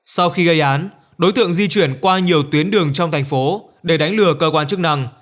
sau khi gây án đối tượng di chuyển qua nhiều tuyến đường trong thành phố để đánh lừa cơ quan chức năng